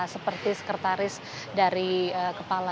seperti sekretaris ketua pertahanan dan ketua pertahanan